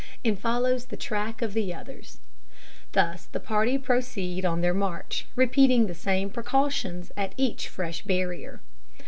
and follows the track of the others. Thus the party proceed on their march, repeating the same precautions at each fresh barrier.